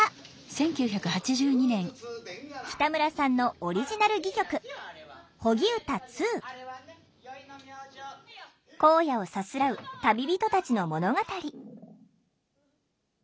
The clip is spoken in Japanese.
北村さんのオリジナル戯曲荒野をさすらう旅人たちの物語。